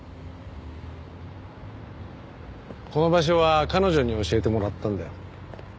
この場所は彼女に教えてもらったんだよ。